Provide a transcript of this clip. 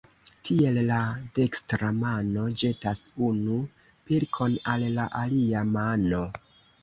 Tiel, la dekstra mano ĵetas unu pilkon al la alia mano.